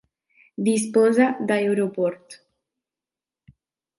Disposa d'aeroport.